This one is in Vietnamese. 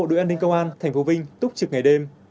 đội an ninh công an tp vinh túc trực ngày đêm